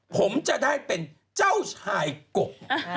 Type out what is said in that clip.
ผมจะได้เป็นเจ้าชายกบ